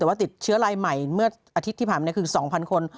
แต่ว่าติดเชื้อรายใหม่เมื่ออาทิตย์ที่ผ่านมาคือ๒๐๐คน